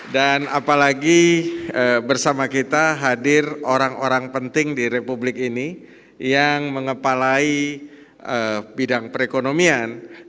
dan apalagi bersama kita hadir orang orang penting di republik ini yang mengepalai bidang perekonomian